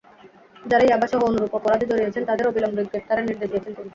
যারা ইয়াবাসহ অনুরূপ অপরাধে জড়িয়েছে তাঁদের অবিলম্বে গ্রেপ্তারের নির্দেশ দিয়েছেন তিনি।